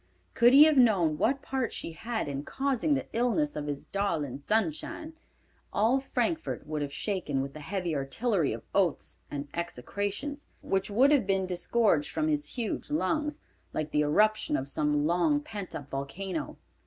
Could he have known what part she had in causing the illness of his "darling Sunshine," all Frankfort would have shaken with the heavy artillery of oaths and execrations, which would have been disgorged from his huge lungs, like the eruption of some long pent up volcano!